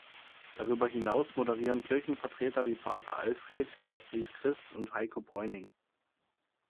Darüber hinaus moderieren Kirchenvertreter wie Pater Alfred, Beatrice Krist und Heiko Breuning.